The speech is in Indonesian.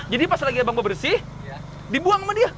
jadi pas lagi abang bobersih dibuang sama dia